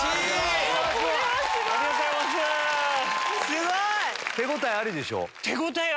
すごい！手応えありでしょ？